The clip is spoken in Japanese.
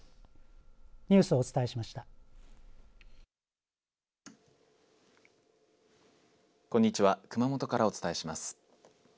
熊本からお伝えします。